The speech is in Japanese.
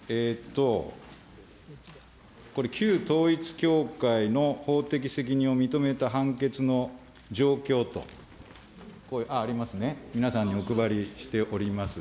これ、旧統一教会の法的責任を認めた判決の状況と、これありますね、皆さんにお配りしております。